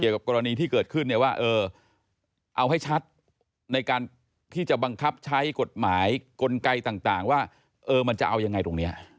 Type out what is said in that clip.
กับกรณีที่เกิดขึ้นเนี่ยว่าเอาให้ชัดในการที่จะบังคับใช้กฎหมายกลไกต่างว่ามันจะเอายังไงตรงนี้